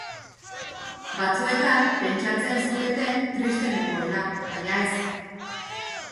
Batzuetan pentsatzen zuketen triste nengoela, baina ez!